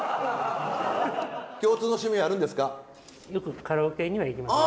共通の趣味はあるんですか？